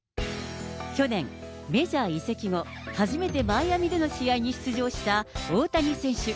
去年、メジャー移籍後初めてマイアミでの試合に出場した大谷選手。